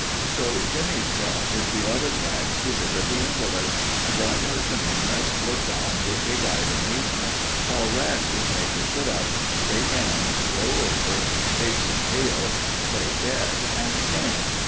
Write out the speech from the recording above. So Jimmie brought his beloved Rags to visit the invalids, and Romulus and Remus looked on with big eyed amazement while Rags was made to sit up, shake hands, roll over, chase his tail, play dead, and sing.